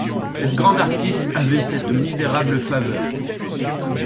Cette grande artiste avait cette misérable faveur.